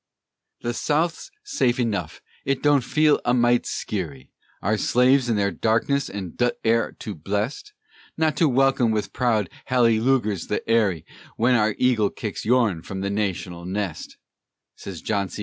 "The South's safe enough, it don't feel a mite skeery, Our slaves in their darkness an' dut air tu blest Not to welcome with proud hallylugers the ery Wen our eagle kicks yourn from the naytional nest," Sez John C.